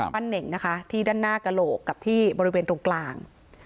เน่งนะคะที่ด้านหน้ากระโหลกกับที่บริเวณตรงกลาง